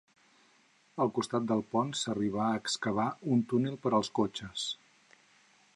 Al costat del pont s'arribà a excavar un túnel per als cotxes.